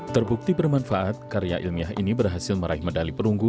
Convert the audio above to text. terbukti bermanfaat karya ilmiah ini berhasil meraih medali perunggu